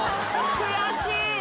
悔しい。